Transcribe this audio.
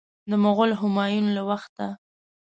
د مغول همایون له وخته.